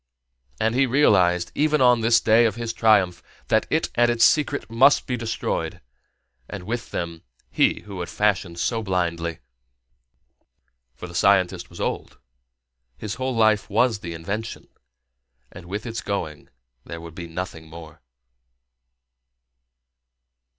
And he realized even on this day of his triumph that it and its secret must be destroyed, and with them he who had fashioned so blindly. For the scientist was old, his whole life was the invention, and with its going there would be nothing more.